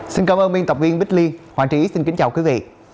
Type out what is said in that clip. xin cảm ơn biên tập viên bích liên hoàng trí xin kính chào quý vị